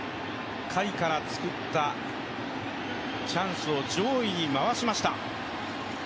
下位から作ったチャンスを上位に回しました。